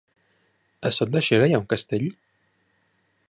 A Sot de Xera hi ha un castell?